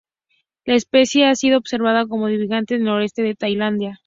La especie ha sido observada como divagante en el noroeste de Tailandia.